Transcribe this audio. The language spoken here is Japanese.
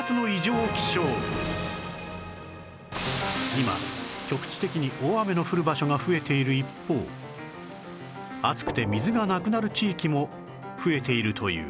今局地的に大雨の降る場所が増えている一方暑くて水がなくなる地域も増えているという